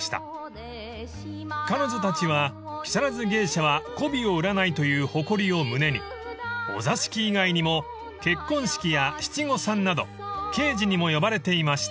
［彼女たちは「木更津芸者は媚びを売らない」という誇りを胸にお座敷以外にも結婚式や七五三など慶事にも呼ばれていました］